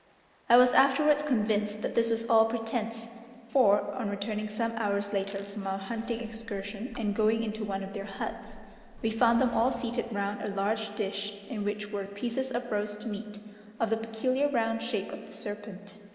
I was afterwards convinced that this was all pretence, for on returning some hours later from our hunting excursion and going into one of their huts, we found them all seated round a large dish in which were pieces of roast meat of the peculiar round shape of the serpent.